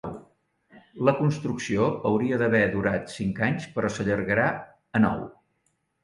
La construcció hauria d’haver durat cinc anys però s’allargà a nou.